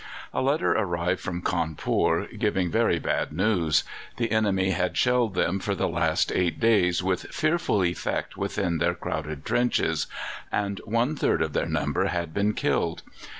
A letter arrived from Cawnpore giving very bad news. The enemy had shelled them for the last eight days with fearful effect within their crowded trenches, and one third of their number had been killed.